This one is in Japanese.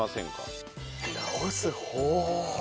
治す方法。